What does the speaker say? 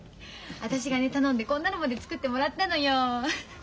私がね頼んでこんなのまで作ってもらったのよ。